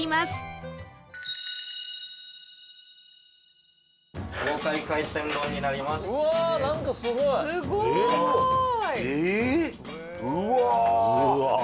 すごい！